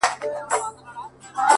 قرضدران له پورونو خلاص کړه